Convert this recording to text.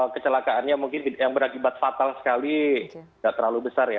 kecelakaannya mungkin yang berakibat fatal sekali tidak terlalu besar ya